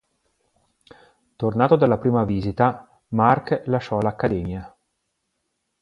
Tornato dalla prima visita Marc lasciò l'accademia.